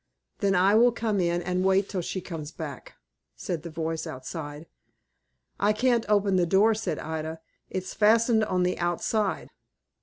"Then I will come in and wait till she comes back," said the voice outside. "I can't open the door," said Ida. "It's fastened on the outside."